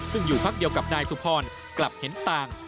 ซึ่งอยู่พักเดียวกับนายสุพรกลับเห็นต่าง